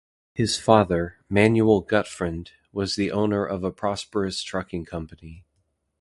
His father, Manuel Gutfreund, was the owner of a prosperous trucking company.